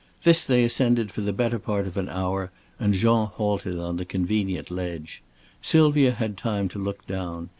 This they ascended for the better part of an hour and Jean halted on a convenient ledge. Sylvia had time to look down.